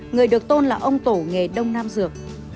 người được tôn là ông tổ nghề đông nam dược